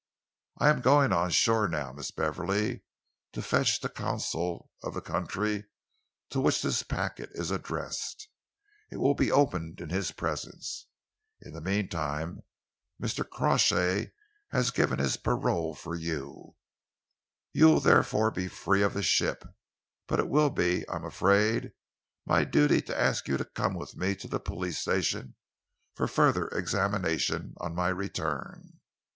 "I am going on shore now, Miss Beverley, to fetch the consul of the country to which this packet is addressed. It will be opened in his presence. In the meantime, Mr. Crawshay has given his parole for you. You will therefore be free of the ship, but it will be, I am afraid, my duty to ask you to come with me to the police station for a further examination, on my return."